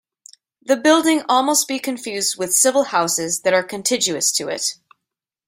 The building almost be confused with civil houses that are contiguous to it.